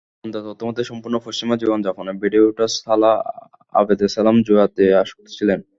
গোয়েন্দা তথ্যমতে, সম্পূর্ণ পশ্চিমা জীবনযাপনে বেড়ে ওঠা সালাহ আবদেসালাম জুয়াতে আসক্ত ছিলেন।